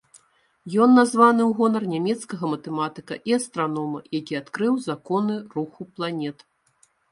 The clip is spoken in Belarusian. Ён названы ў гонар нямецкага матэматыка і астранома, які адкрыў законы руху планет.